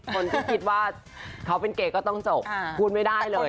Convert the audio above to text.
คนที่คิดว่าเขาเป็นเกย์ก็ต้องจบพูดไม่ได้เลย